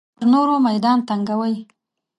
پر نورو میدان تنګوي.